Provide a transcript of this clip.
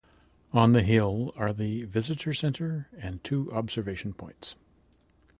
On the hill are the visitor center and two observation points.